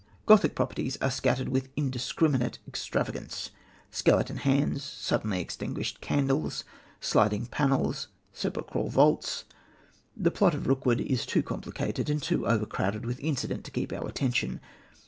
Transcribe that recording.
Gothic properties are scattered with indiscriminate extravagance skeleton hands, suddenly extinguished candles, sliding panels, sepulchral vaults. The plot of Rookwood is too complicated and too overcrowded with incident to keep our attention.